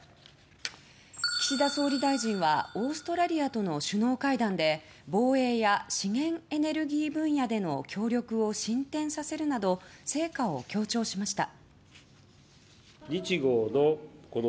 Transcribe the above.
岸田総理大臣はオーストラリアとの首脳会談で防衛や資源エネルギー分野での協力を進展させるなど成果を強調しました。